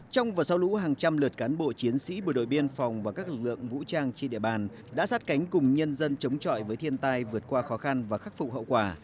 trong và sau lũ hàng trăm lượt cán bộ chiến sĩ bộ đội biên phòng và các lực lượng vũ trang trên địa bàn đã sát cánh cùng nhân dân chống chọi với thiên tai vượt qua khó khăn và khắc phục hậu quả